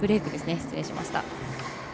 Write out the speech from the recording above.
失礼しました。